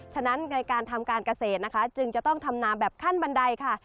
ฉะนั้นในการทำการเกษตรนะคะจึงจะต้องทำนามแบบขั้นบันไดค่ะ